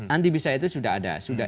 anti pisau itu sudah ada